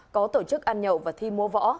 có tổ chức ăn nhậu và thi mô võ